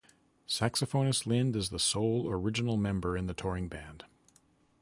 Saxophonist Lind is the sole original member in the touring band.